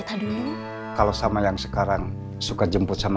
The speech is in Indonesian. akhirnya gak jadi jemput